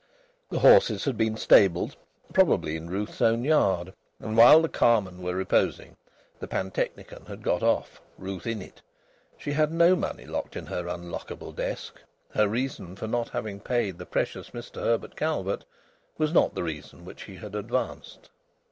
The horses had been stabled, probably in Ruth's own yard, and while the carmen were reposing the pantechnicon had got off, Ruth in it. She had no money locked in her unlockable desk. Her reason for not having paid the precious Mr Herbert Calvert was not the reason which she had advanced.